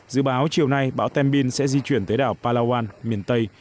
dự báo chiều nay bão tembin sẽ di chuyển tới đảo palawan miền tây